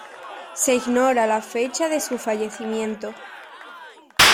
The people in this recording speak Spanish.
Se ignora la fecha de su fallecimiento.